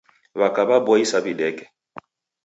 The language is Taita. W'aka w'aboisa w'ideke.